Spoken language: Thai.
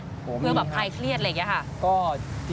โหมีครับเพื่อแบบปลายเครียดอะไรอย่างนี้